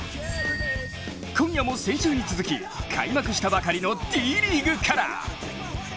今夜も先週に続き開幕したばかりのＴリーグから。